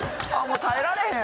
耐えられへん。